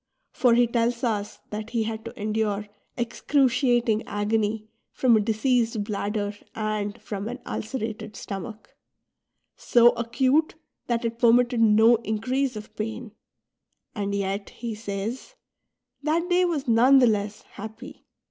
For he tells us ^ that he had to endure excruciating agony from a diseased bladder and from an ulcerated stomach, — so acute that it 2:)ermitted no increase of pain ;" and yet," he says, " that day was none the less happy."